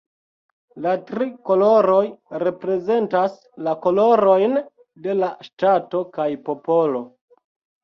La tri koloroj reprezentas la kolorojn de la ŝtato kaj popolo.